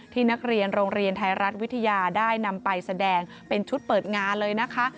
นักเรียนโรงเรียนไทยรัฐวิทยาได้นำไปแสดงเป็นชุดเปิดงานเลยนะคะ